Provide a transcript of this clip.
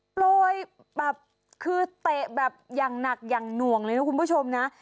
โปรยแบบคือเตะแบบอย่างหนักอย่างหน่วงเลยนะคุณผู้ชมนะ